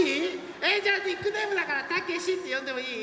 えじゃあニックネームだから「たけし」ってよんでもいい？